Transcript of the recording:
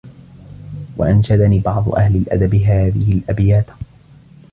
وَأَنْشَدَنِي بَعْضُ أَهْلِ الْأَدَبِ هَذِهِ الْأَبْيَاتِ